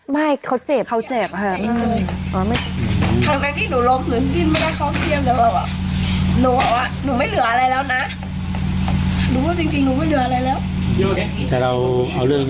ไม่เขาเจ็บค่ะ